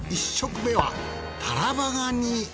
１食目はタラバガニ。